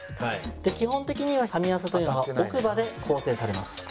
基本的には噛み合わせというのは奥歯で構成されます。